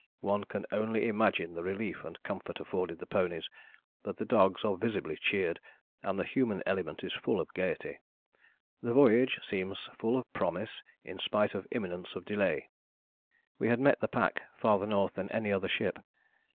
One can only imagine the relief and comfort afforded to the ponies, but the dogs are visibly cheered and the human element is full of gaiety. The voyage seems full of promise in spite of the imminence of delay." We had met the pack farther north than any other ship.